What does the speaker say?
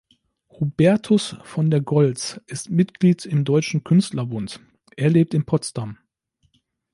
Hubertus von der Goltz ist Mitglied im Deutschen Künstlerbund, er lebt in Potsdam.